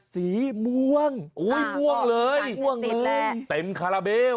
สีม่วงอุ้ยม่วงเลยตันขาลาเบล